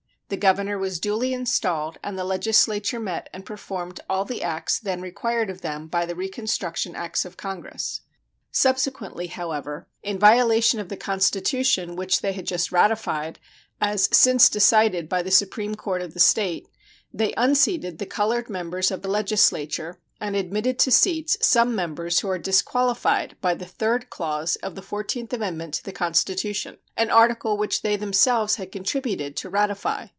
The governor was duly installed, and the legislature met and performed all the acts then required of them by the reconstruction acts of Congress. Subsequently, however, in violation of the constitution which they had just ratified (as since decided by the supreme court of the State), they unseated the colored members of the legislature and admitted to seats some members who are disqualified by the third clause of the fourteenth amendment to the Constitution an article which they themselves had contributed to ratify.